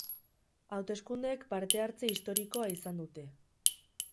Hauteskundeek parte-hartze historikoa izan dute.